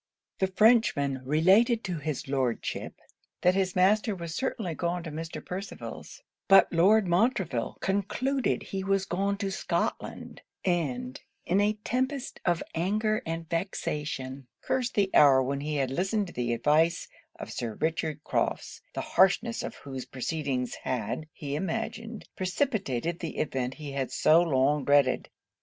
The Frenchman related to his Lordship, that his master was certainly gone to Mr. Percival's; but Lord Montreville concluded he was gone to Scotland, and, in a tempest of anger and vexation, cursed the hour when he had listened to the advice of Sir Richard Crofts, the harshness of whose proceedings had, he imagined, precipitated the event he had so long dreaded.